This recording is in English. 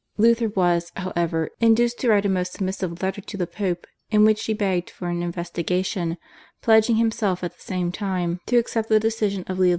Luther was, however, induced to write a most submissive letter to the Pope in which he begged for an investigation, pledging himself at the same time to accept the decision of Leo X.